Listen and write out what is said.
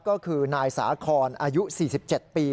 ก็คือนายสาคอนอายุ๔๗ปี